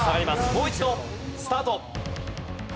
もう一度スタート！